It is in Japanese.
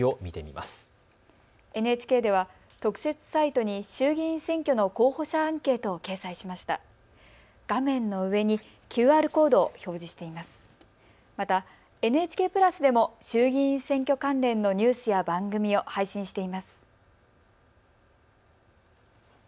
また、ＮＨＫプラスでも衆議院選挙関連のニュースや番組を配信しています。